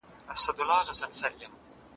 خیر محمد په ډېرې بې وسۍ سره اسمان ته وکتل.